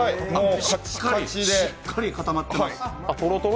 しっかり固まってます。